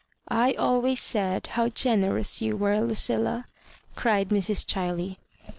"I always said how generous you were, Lu cilla^" cried Mrs. Ohiley.